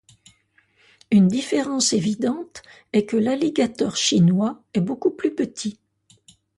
Une différence évidente est que l'alligator chinois est beaucoup plus petit.